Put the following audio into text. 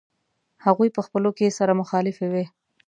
هغوی په خپلو کې سره مخالفې وې.